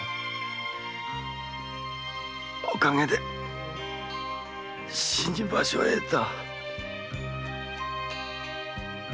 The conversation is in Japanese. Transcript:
おかげで死に場所を得た。